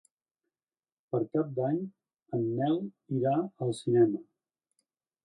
Per Cap d'Any en Nel irà al cinema.